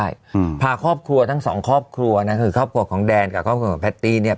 ใช่อืมพาครอบครัวทั้งสองครอบครัวนะคือครอบครัวของแดนกับครอบครัวของแพตตี้เนี้ย